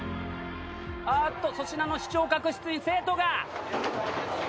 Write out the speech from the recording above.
あっと粗品の視聴覚室に生徒が！